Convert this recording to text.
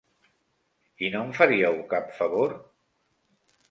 I no em faríeu cap favor?